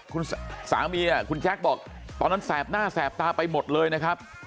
คุณสามีคุณแจ๊คบอกตอนนั้นแสบหน้าแสบตาไปหมดเลยนะครับ